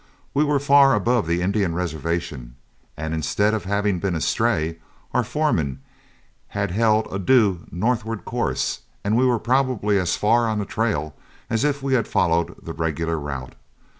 We were far above the Indian reservation, and instead of having been astray our foreman had held a due northward course, and we were probably as far on the trail as if we had followed the regular route.